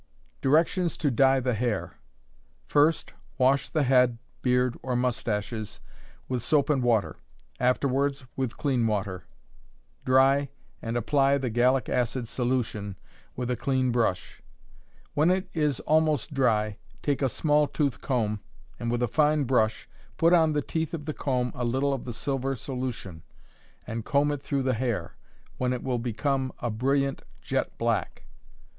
Directions to Dye the Hair. First wash the head, beard, or moustaches with soap and water; afterwards with clean water. Dry, and apply the gallic acid solution, with a clean brush. When it is almost dry, take a small tooth comb, and with a fine brush, put on the teeth of the comb a little of the silver solution, and comb it through the hair, when it will become a brilliant jet black.